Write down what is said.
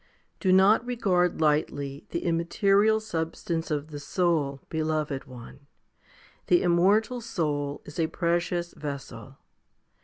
1. Do not regard lightly the immaterial substance of the soul, beloved one. The immortal soul is a precious vessel.